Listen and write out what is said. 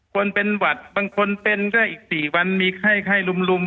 คนเป็นหวัดบางคนเป็นก็อีก๔วันมีไข้ลุม